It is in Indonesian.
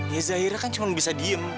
ya zahira kan cuma bisa diem